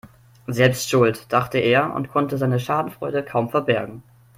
Selbst schuld, dachte er und konnte seine Schadenfreude kaum verbergen.